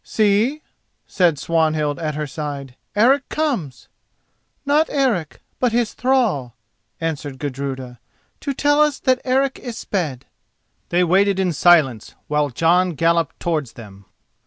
"See," said Swanhild at her side, "Eric comes!" "Not Eric, but his thrall," answered Gudruda, "to tell us that Eric is sped." They waited in silence while Jon galloped towards them.